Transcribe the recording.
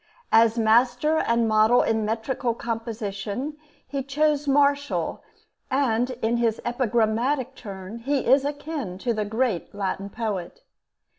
As master and model in metrical composition he chose Martial, and in his epigrammatic turn he is akin to the great Latin poet.